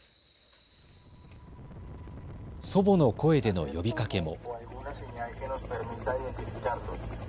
祖母の声での呼びかけも。